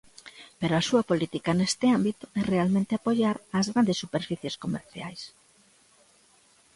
Pero a súa política neste ámbito é realmente apoiar as grandes superficies comerciais.